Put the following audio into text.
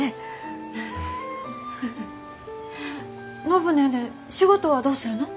暢ネーネー仕事はどうするの？